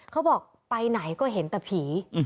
เขาบอกไปไหนก็เห็นแต่ผี